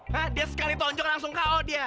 hah dia sekali tonjok langsung ko dia